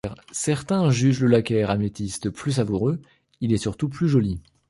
Certains jugent le laccaire améthyste plus savoureux, il est surtout plus joli.